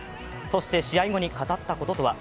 そして試合後に語ったこととは。